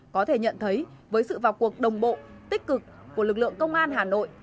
có thể nhận thấy với sự vào cuộc đồng bộ tích cực của lực lượng công an hà nội